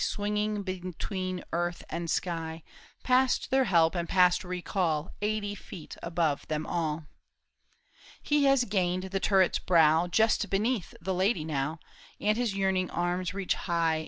Swinging between earth and sky. Past their help and past recall, Eighty feet above them all. He has gained the turret's brow, Just beneath the lady now, And his yearning arms reach high.